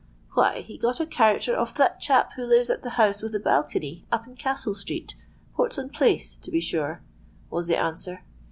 '—'Why, he got a character of that chap who lives at the house with the balcony, up in Castle Street, Portland Place, to be sure,' was the answer.